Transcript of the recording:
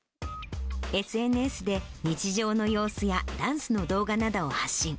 ＳＮＳで日常の様子やダンスの動画などを発信。